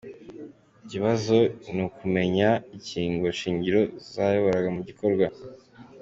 Ikibazo ni ukumenya ingingo shingiro zayobora muri iki gikorwa.